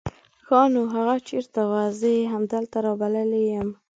ښا نو هغه چېرته وو؟ زه يې همدلته رابللی يم.